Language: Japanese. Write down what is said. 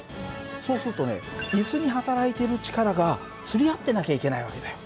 そうするとねイスに働いている力がつり合ってなきゃいけない訳だよ。